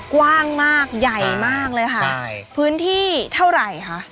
กว้างมากใหญ่มากเลยค่ะใช่พื้นที่เท่าไหร่คะ